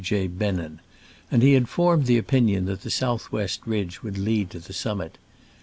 J. Bennen, and he had formed the opinion that the south west ridge would lead to the sum mit.